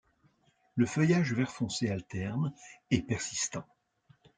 Le feuillage vert foncé, alterne, est persistant.